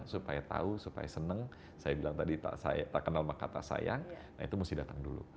supaya tahu supaya senang saya bilang tadi tak saya tak kenal maka tak sayang nah itu mesti datang dulu